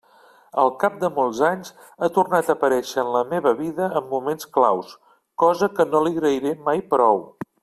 Al cap de molts anys, ha tornat a aparèixer en la meva vida en moments claus, cosa que no li agrairé mai prou.